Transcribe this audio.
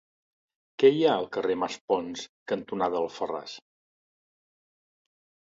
Què hi ha al carrer Maspons cantonada Alfarràs?